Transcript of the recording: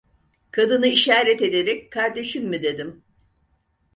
Kadını işaret ederek: "Kardeşin mi?" dedim.